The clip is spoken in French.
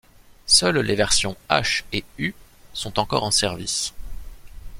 Seules les versions H et U sont encore en service.